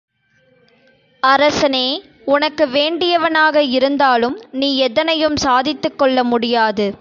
அரசனே உனக்கு வேண்டியவனாக இருந்தாலும் நீ எதனையும் சாதித்துக் கொள்ள முடியாது.